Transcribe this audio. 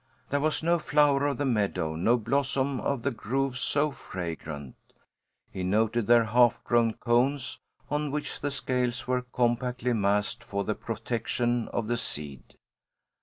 There was no flower of the meadow, no blossom of the grove so fragrant! He noted their half grown cones on which the scales were compactly massed for the protection of the seed.